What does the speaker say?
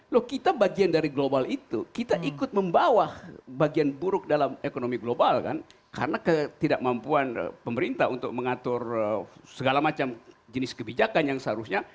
loh kita bagian dari global itu kita ikut membawa bagian buruk dalam ekonomi global kan karena ketidakmampuan pemerintah untuk mengatur segala macam jenis kebijakan yang seharusnya